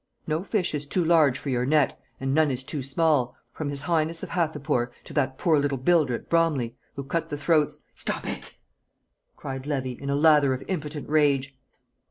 No fish is too large for your net, and none is too small, from his highness of Hathipur to that poor little builder at Bromley, who cut the throats " "Stop it!" cried Levy, in a lather of impotent rage.